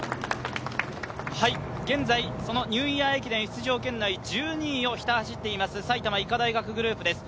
現在ニューイヤー駅伝出場権内１２位をひた走っています埼玉医科大学グループです。